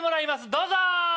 どうぞ！